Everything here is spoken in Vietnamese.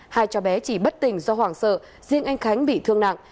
hai cháu bé chỉ bất tỉnh do hoảng sợ riêng anh khánh bị thương nặng